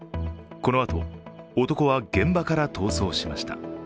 このあと、男は現場から逃走しました。